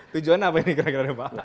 tujuan apa ini kira kira pak